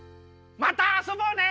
またあそぼうね。